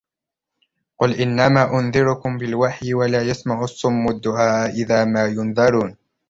قُلْ إِنَّمَا أُنْذِرُكُمْ بِالْوَحْيِ وَلَا يَسْمَعُ الصُّمُّ الدُّعَاءَ إِذَا مَا يُنْذَرُونَ